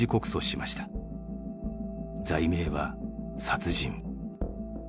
罪名は「殺人」。